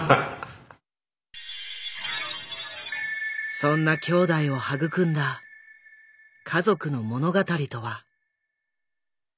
そんな兄弟を育んだ家族の物語とは？